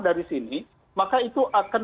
dari sini maka itu akan